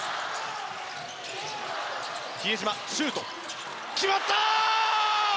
比江島、シュート決まった！